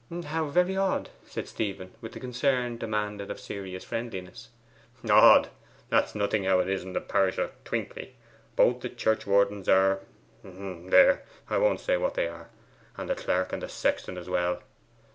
'How very odd!' said Stephen, with the concern demanded of serious friendliness. 'Odd? That's nothing to how it is in the parish of Twinkley. Both the churchwardens are ; there, I won't say what they are; and the clerk and the sexton as well.